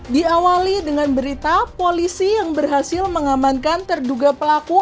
diawali dengan berita polisi yang berhasil mengamankan terduga pelaku